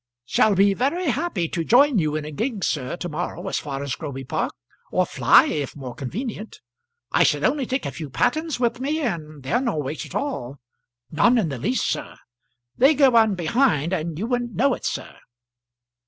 "Shall be very happy to join you in a gig, sir, to morrow, as far as Groby Park; or fly, if more convenient. I shall only take a few patterns with me, and they're no weight at all, none in the least, sir. They go on behind, and you wouldn't know it, sir."